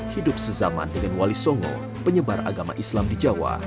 hidup sezaman dengan wali songo penyebar agama islam di jawa